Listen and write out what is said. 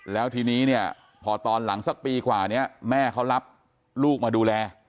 แล้วทีนี้เนี่ยพอตอนหลังสักปีกว่านี้แม่เขารับลูกมาดูแล